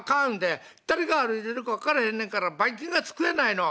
誰が歩いてるか分からへんねんからバイ菌が付くやないの。